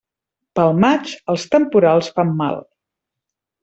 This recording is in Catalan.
Pel maig, els temporals fan mal.